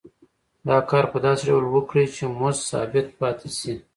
دا کار په داسې ډول وکړي چې مزد ثابت پاتې شي